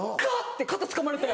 て肩つかまれて。